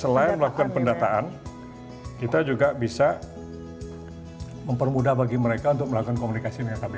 selain melakukan pendataan kita juga bisa mempermudah bagi mereka untuk melakukan komunikasi dengan kbri